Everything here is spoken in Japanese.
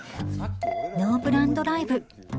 『ノープラン×ドライブ』